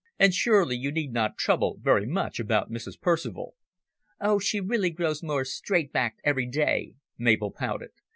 And surely you need not trouble very much about Mrs. Percival." "Oh, she really grows more straight backed every day," Mabel pouted.